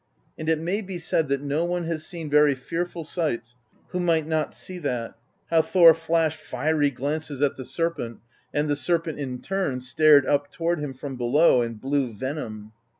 And it may be said that no one has seen very fearful sights who might not see that : how Thor flashed fiery glances at the Serpent, and the Serpent in turn stared up toward him from below and blew venom.